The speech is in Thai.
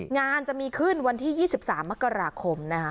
งานจะมีขึ้นวันที่๒๓มกราคมนะคะ